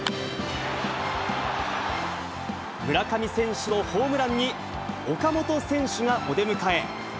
村上選手のホームランに、岡本選手がお出迎え。